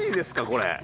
これ。